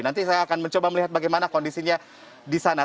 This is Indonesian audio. nanti saya akan mencoba melihat bagaimana kondisinya di sana